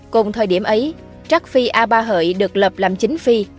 cùng thời điểm ấy trắc phi a ba hợi được lập làm chính phi